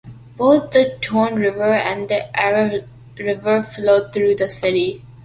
Both the Tone River and the Ara River flow through the city.